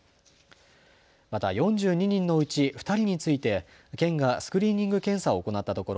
また、４２人のうち２人について県がスクリーニング検査を行ったところ